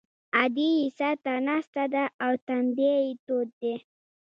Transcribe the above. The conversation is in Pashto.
ادې یې سر ته ناسته ده او تندی یې تود دی